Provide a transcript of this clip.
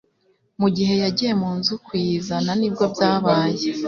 mugihe yagiye munzu kuyizana nibwo byabaye